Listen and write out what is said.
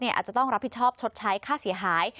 อาจจะต้องรับผิดชอบชดใช้ค่าเสียหาย